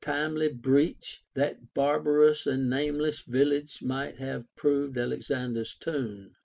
477 timely breach, that barbarous and nameless village might have proved Alexander's tomb.